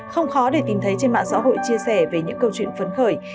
không khó để tìm thấy trên mạng xã hội chia sẻ về những câu chuyện phấn khởi